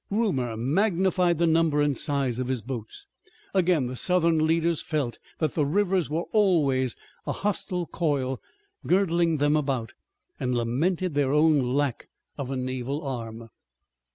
Rumor magnified the number and size of his boats. Again the Southern leaders felt that the rivers were always a hostile coil girdling them about, and lamented their own lack of a naval arm.